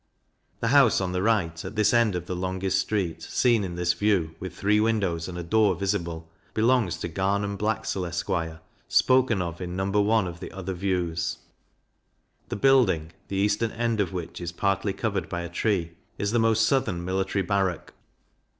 The House on the right, at this end of the longest street, seen in this View, with three windows and a door visible, belongs to Garnham Blaxcell, Esq. spoken of in No. I. of the other Views. The building, the eastern end of which is partly covered by a tree, is the most southern Military Barrack.